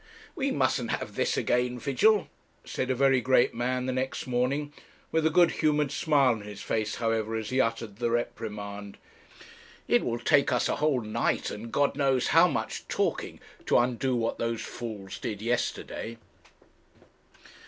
'We mustn't have this again, Vigil,' said a very great man the next morning, with a good humoured smile on his face, however, as he uttered the reprimand. 'It will take us a whole night, and God knows how much talking, to undo what those fools did yesterday.'